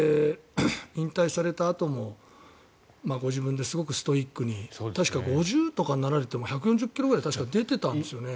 引退されたあともご自分で、すごくストイックに確か５０とかになられても１４０ｋｍぐらい出ていたんですよね。